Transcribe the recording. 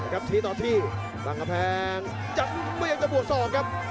ครับทีต่อที่ตั้งกับแพงยังไม่ยังจะปวดศอกครับ